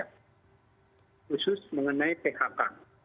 khusus mengenai phk